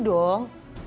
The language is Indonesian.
jangan begitu dong